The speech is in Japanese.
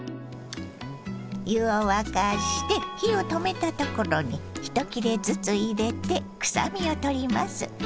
湯を沸かして火を止めたところに１切れずつ入れてくさみをとります。